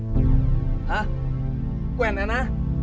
ห้ะแกว่นอ่ะนะ